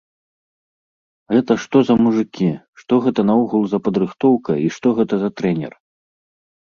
Гэта што за мужыкі, што гэта наогул за падрыхтоўка і што гэта за трэнер?